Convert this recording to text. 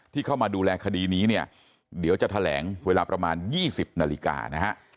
เข้ามาดูแลคดีนี้เนี่ยเดี๋ยวจะแถลงเวลาประมาณ๒๐นาฬิกานะฮะ